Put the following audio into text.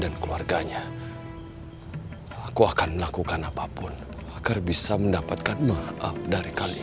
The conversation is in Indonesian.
keluarganya aku akan melakukan apapun agar bisa mendapatkan maaf dari kalian